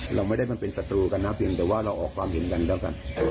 เราไม่ได้มันเป็นศัตรูกันนะเพียงแต่ว่าเราออกความเห็นกันแล้วกัน